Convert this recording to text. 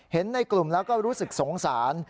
เห็นในกลุ่มแล้วก็รู้สึกสงสาร